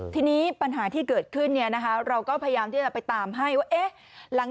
แต่ปัญหามันเกิดขึ้นจริงบางคนสแกนไม่ได้จริง